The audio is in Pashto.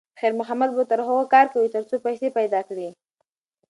خیر محمد به تر هغو کار کوي تر څو پیسې پیدا کړي.